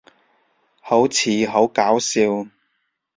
好似好搞笑